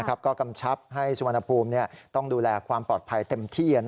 ก็กำชับให้สุวรรณภูมิต้องดูแลความปลอดภัยเต็มที่